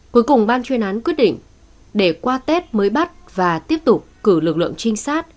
cuối cùng ban chuyên án quyết định để qua tết mới bắt và tiếp tục cử lực lượng trinh sát